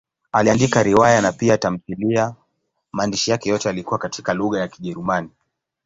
Aliandika riwaya na pia tamthiliya; maandishi yake yote yalikuwa katika lugha ya Kijerumani.